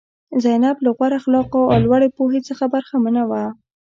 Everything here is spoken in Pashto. زینب له غوره اخلاقو او لوړې پوهې څخه برخمنه وه.